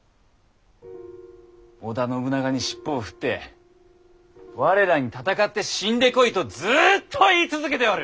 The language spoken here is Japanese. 織田信長に尻尾を振って我らに戦って死んでこいとずっと言い続けておる！